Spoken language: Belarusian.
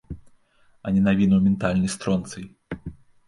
А не навінаў ментальны стронцый!